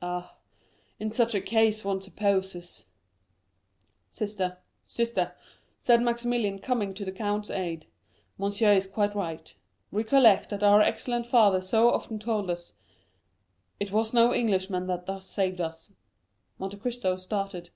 "Ah, in such a case one supposes——" "Sister, sister," said Maximilian, coming to the count's aid, "monsieur is quite right. Recollect what our excellent father so often told us, 'It was no Englishman that thus saved us.'" Monte Cristo started.